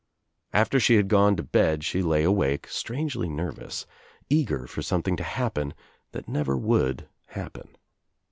After she had gone to bed she lay awake, strangely nervous, eager for something to happen that never would happen.